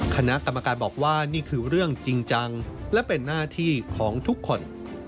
คณะกรรมการบอกว่านี่คือเรื่องจริงจังและเป็นหน้าที่ของทุกคน